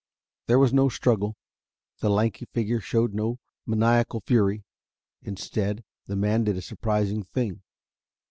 There was no struggle: the lanky figure showed no maniacal fury. Instead, the man did a surprising thing.